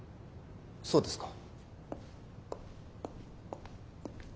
そうですか。